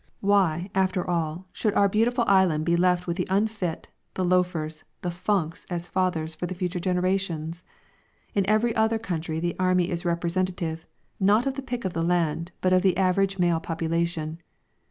Why, after all, should our beautiful island be left with the unfit, the loafers, the "funks" as fathers for the future generations? In every other country the army is representative, not of the pick of the land, but of the average male population.